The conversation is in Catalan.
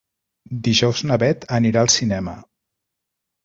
Dijous na Bet anirà al cinema.